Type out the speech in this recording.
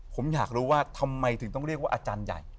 ผมอยากรู้ว่าทำไมถึงต้องเรียกว่าอาจารย์ใหญ่